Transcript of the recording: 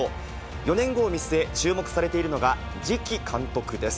４年後を見据え、注目されているのが、次期監督です。